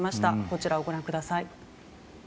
こちらをご覧ください。